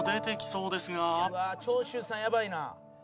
「うわあ長州さんやばいな」